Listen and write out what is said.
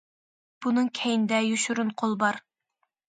بۇنىڭ كەينىدە يوشۇرۇن قول بار.